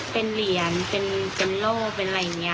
เป็นเหรียญเป็นโล่เป็นอะไรอย่างนี้